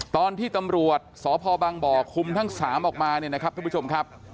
ตอนที่ตำรวจศพบังบ่อกคุมทั้ง๓ออกมาค่ะท่านผู้ชมครับ